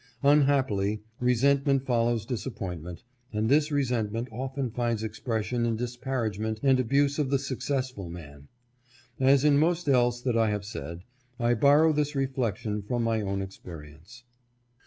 Unhappily, resentment follows disappointment, and this resentment often finds expres sion in disparagement and abuse of the successful man. As in most else that I have said, I borrow this reflection from my own experience.